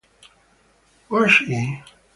Was she?